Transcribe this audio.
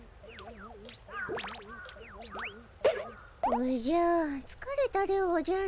おじゃつかれたでおじゃる。